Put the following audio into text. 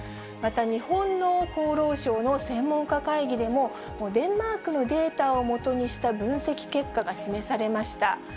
また、日本の厚労省の専門家会議でも、デンマークのデータを基にした分析結果が示されました。